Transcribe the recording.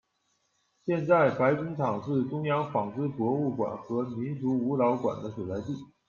现在白工厂是中央纺织博物馆和民俗舞蹈馆的所在地。